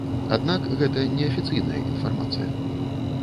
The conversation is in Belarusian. Аднак гэта неафіцыйная інфармацыя.